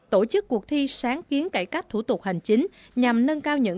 tổ chức cuộc thi sáng kiến cải cách thủ tục hành chính nhằm nâng cao nhận